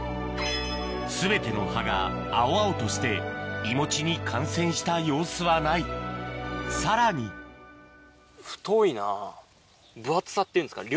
全ての葉が青々としていもちに感染した様子はないさらに分厚さっていうんですかね